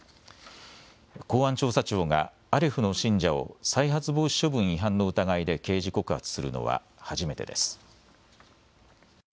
公安調査庁がアレフの信者を再発防止処分違反の疑いで刑事告発するのは初めてです。